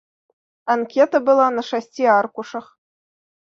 Анкета была на шасці аркушах.